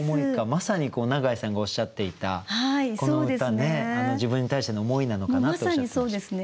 まさに永井さんがおっしゃっていたこの歌自分に対しての思いなのかなとおっしゃってました。